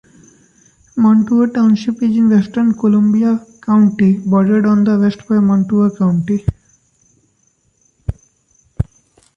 Montour Township is in western Columbia County, bordered on the west by Montour County.